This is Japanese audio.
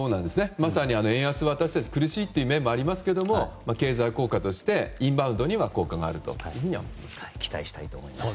まさに円安は私たち苦しいという面もありますが経済効果としてインバウンドには効果があると思います。